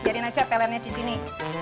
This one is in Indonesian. jadikan aja pelannya di sini